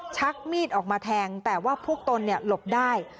ชักมีดออกมาแทงแต่ว่าพวกตนหลบได้